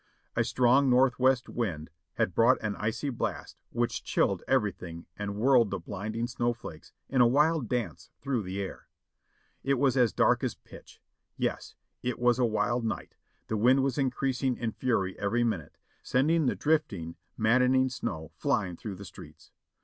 A strong northwest wind had brought an icy blast which chilled everything and whirled the blinding snow flakes in a wild dance through the air. It was as dark as pitch — yes, it was a wild night ; the wind was increasing in fury every minute, sending the drifting, maddening snow frying through the streets.